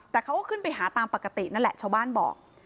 แต่เขาก็ขึ้นไปหาตามปกตินั่นแหละชาวบ้านบอก